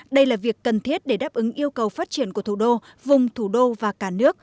đây là việc cần thiết để đáp ứng yêu cầu phát triển của thủ đô vùng thủ đô và cả nước